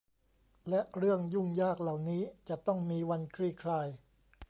และเรื่องยุ่งยากเหล่านี้จะต้องมีวันคลี่คลาย